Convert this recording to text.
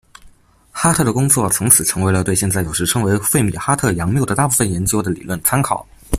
哈特的工作从此成为了对现在有时称为费米哈特佯谬的大部分研究的理论参考。